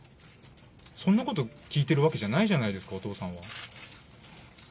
そんなこと聞いてるわけじゃないですか、お義父さんは。